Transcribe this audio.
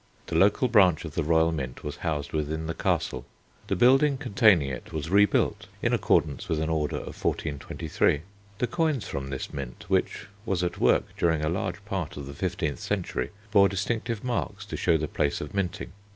The local branch of the royal Mint was housed within the Castle. The building containing it was rebuilt in accordance with an order of 1423. The coins from this mint, which was at work during a large part of the fifteenth century, bore distinctive marks to show the place of minting.